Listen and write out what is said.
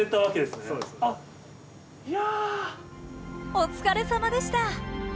お疲れさまでした。